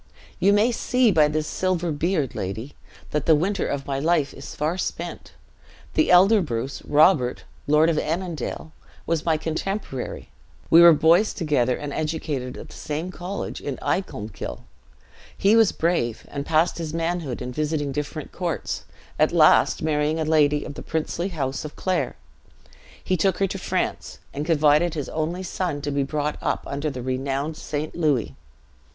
You may see by this silver beard, lady, that the winter of my life is far spent. The elder Bruce, Robert, Lord of Annandale, was my contemporary; we were boys together, and educated at the same college in Icolmkill. He was brave, and passed his manhood in visiting different courts; at last, marrying a lady of the princely house of Clare, he took her to France, and confided his only son to be brought up under the renowned St. Louis.